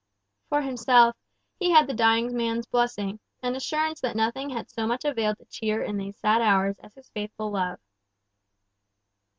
For himself, he had the dying man's blessing, and assurance that nothing had so much availed to cheer in these sad hours as his faithful love.